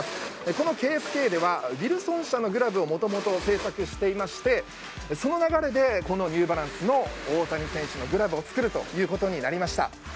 このケイ・エス・ケイではウィルソン社のグラブをもともと製作していましてその流れでニューバランスの大谷選手のグラブを作るということになりました。